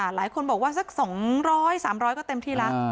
หลายคนบอกว่าสัก๒๐๐๓๐๐ก็เต็มที่แล้ว